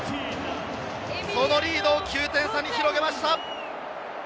そのリードを９点差に広げました。